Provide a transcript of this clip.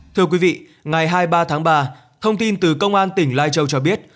thưa quý vị ngày hai mươi ba tháng ba thông tin từ công an tỉnh lai châu cho biết